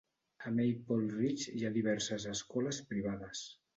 A Maple Ridge hi ha diverses escoles privades.